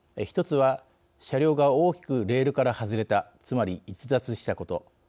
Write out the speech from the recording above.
１つは車両が大きくレールから外れたつまり、逸脱したこと。